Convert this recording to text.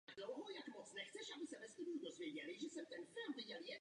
Staniční budova byla postavena v novogotickém stylu.